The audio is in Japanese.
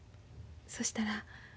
そしたら。